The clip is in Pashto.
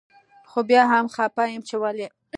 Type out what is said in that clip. خو بيا هم خپه يم چي ولي